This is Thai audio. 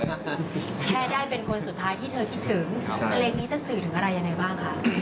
แค่ได้เป็นคนสุดท้ายที่เธอคิดถึงเพลงนี้จะสื่อถึงอะไรยังไงบ้างคะ